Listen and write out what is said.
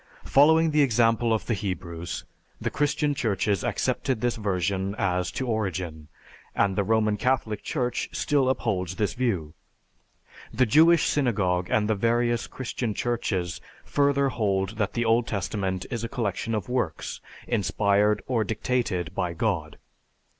Following the example of the Hebrews, the Christian Churches accepted this version as to origin, and the Roman Catholic Church still upholds this view. The Jewish Synagogue and the various Christian Churches further hold that the Old Testament is a collection of works inspired or dictated by God.